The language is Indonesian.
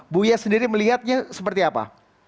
buya sendiri melihatnya seperti apa